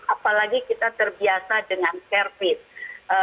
apalagi kita terbiasa dengan servis